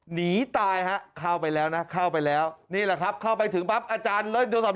หนีตายฮะเข้าไปแล้วนะเข้าไปแล้ว